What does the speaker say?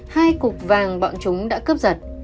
hai cục vàng bọn chúng đã cướp giật